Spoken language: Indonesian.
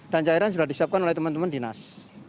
cairan sudah disiapkan oleh teman teman dinas